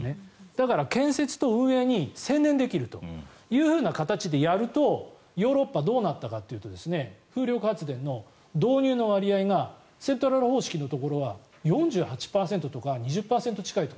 だから、建設と運営に専念できるという形でやるとヨーロッパはどうなったかというと風力発電の導入の割合がセントラル方式のところは４８％とか２０％近いと。